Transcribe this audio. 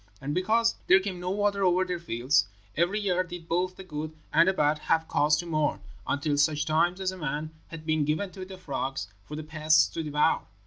And because there came no water over their fields, every year did both the good and the bad have cause to mourn, until such times as a man had been given to the frogs for the pests to devour.